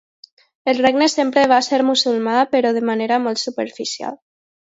El regne sempre va ser musulmà, però de manera molt superficial.